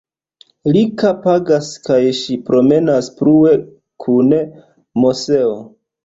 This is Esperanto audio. Rika pagas kaj ŝi promenas plue kun Moseo.